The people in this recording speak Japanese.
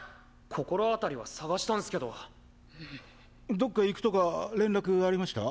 どっか行くとか連絡ありました？